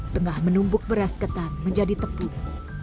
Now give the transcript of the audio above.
tengah menumbuk beras ketan menjadi tepung